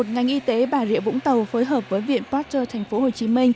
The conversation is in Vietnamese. từ một mươi bốn tháng một mươi một ngành y tế bà rịa vũng tàu phối hợp với viện pasteur tp hcm